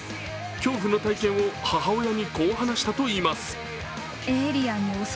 恐怖の体験を母親にこう話したといいます。